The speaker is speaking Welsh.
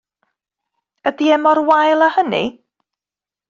Ydi e mor wael â hynny?